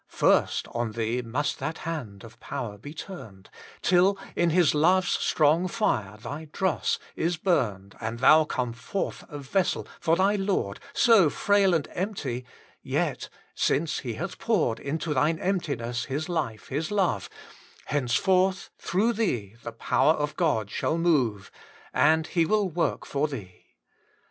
8 WAITING ON GOD! First on thee most that hand of power be turned, Till in Hifl love's strong fire thy dross is homed, And thon come forth a vessel for thy Lord, So frail and empty, yet, since He hath poured Into thine emptiness His life, His love, Henceforth through thee the power of God shall move And He will work/(>r thee.